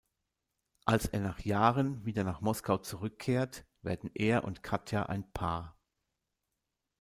Als er nach Jahren wieder nach Moskau zurückkehrt, werden er und Katja ein Paar.